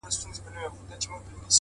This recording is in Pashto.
اوس مي هم ښه په ياد دي زوړ نه يمه.